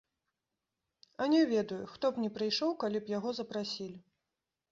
А не ведаю, хто б не прыйшоў, калі б яго запрасілі.